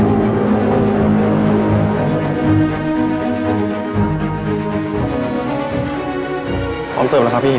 ไม่ต้องกลับมาที่นี่